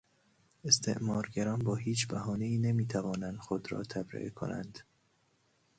استعمار گران با هیچ بهانهای نمیتوانند خود را تبرئه کنند.